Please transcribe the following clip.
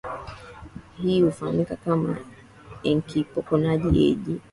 Hii hufahamika kama Enkipukonoto Eaji